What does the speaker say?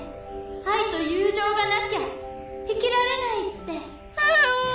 愛と友情がなきゃ生きられないって」はうん！